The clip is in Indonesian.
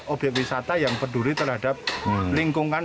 obyek wisata yang peduli terhadap lingkungan